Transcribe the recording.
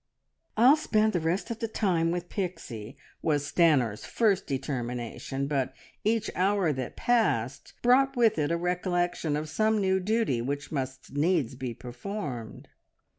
"I'll spend the rest of the time with Pixie," was Stanor's first determination, but each hour that passed brought with it a recollection of some new duty which must needs be performed.